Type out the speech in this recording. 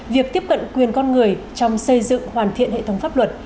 việc tiếp cận quyền con người trong xây dựng hoàn thiện hệ thống pháp luật